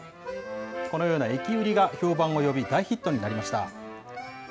このような駅売りが評判を呼び、大ヒットになりました。